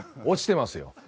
落ちてますよ